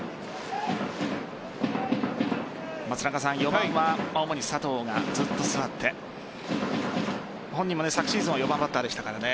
４番は主に佐藤がずっと座って本人も昨シーズンは４番バッターでしたからね。